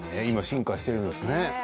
進化しているんですね。